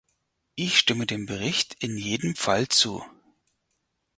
Ich stimme dem Bericht in jedem Fall zu.